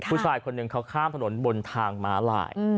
ผู้ชายคนหนึ่งเขาข้ามถนนบนทางม้าลาย